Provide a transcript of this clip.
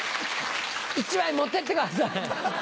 １枚持ってってください。